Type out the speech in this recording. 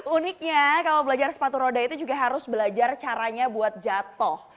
uniknya kalau belajar sepatu roda itu juga harus belajar caranya buat jatuh